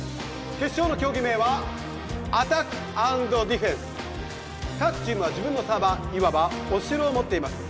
決勝の競技名はアタック＆ディフェンス各チームは自分のサーバーいわばお城を持っています